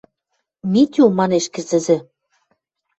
— Митю, — манеш кӹцӹзӹ.